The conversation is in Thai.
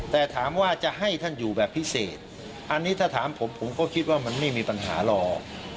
แต่ถามว่าจะให้ท่านอยู่แบบพิเศษอันนี้ถ้าถามผมผมก็คิดว่ามันไม่มีปัญหาหรอก